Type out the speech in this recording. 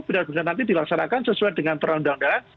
benar benar nanti dilaksanakan sesuai dengan peran undang undang